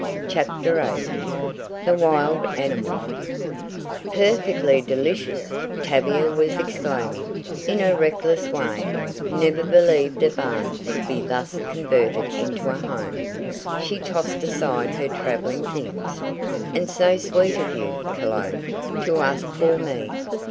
CHAPTER VIII THE WILD ANIMAL "Perfectly delicious," Tavia was exclaiming, in her reckless way, "never believed a barn could be thus converted into a home." She tossed aside her traveling things. "And so sweet of you, Cologne, to ask poor me.